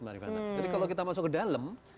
jadi kalau kita masuk ke dalam